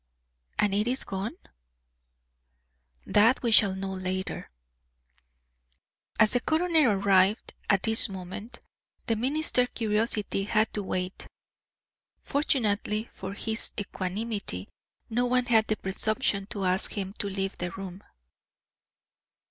"And is it gone?" "That we shall know later." As the coroner arrived at this moment, the minister's curiosity had to wait. Fortunately for his equanimity, no one had the presumption to ask him to leave the room.